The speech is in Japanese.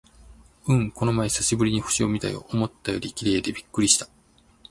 うん、この前久しぶりに星を見たよ。思ったより綺麗でびっくりした！